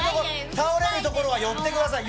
倒れるところは寄ってください。